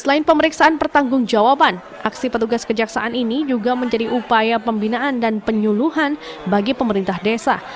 selain pemeriksaan pertanggung jawaban aksi petugas kejaksaan ini juga menjadi upaya pembinaan dan penyuluhan bagi pemerintah desa